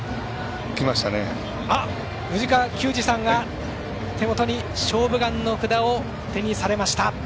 藤川球児さんが手元に「勝負眼」の札を手にされました。